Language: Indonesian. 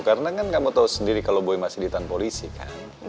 karena kan kamu tau sendiri kalau boy masih di tangan polisi kan